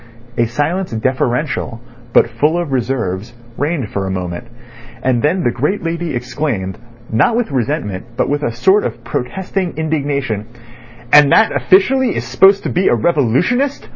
A silence deferential, but full of reserves, reigned for a moment, and then the great lady exclaimed, not with resentment, but with a sort of protesting indignation: "And that officially is supposed to be a revolutionist!